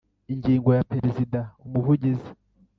Ingingo ya perezida umuvugizi